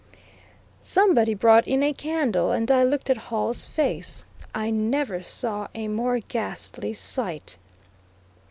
Somebody brought in a candle and I looked at Hall's face. I never saw a more ghastly sight.